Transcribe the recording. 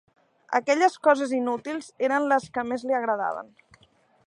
Aquelles coses inútils eren les que més li agradaven